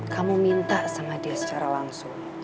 kamu minta sama dia secara langsung